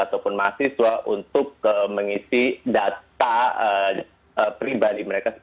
ataupun mahasiswa untuk mengisi data pribadi mereka